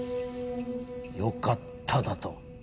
よかっただと？